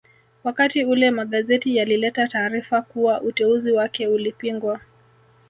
Wakati ule magazeti yalileta taarifa kuwa uteuzi wake ulipingwa